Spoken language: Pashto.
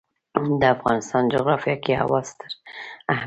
د افغانستان جغرافیه کې هوا ستر اهمیت لري.